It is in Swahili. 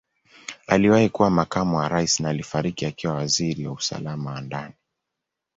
Aliwahi kuwa Makamu wa Rais na alifariki akiwa Waziri wa Usalama wa Ndani.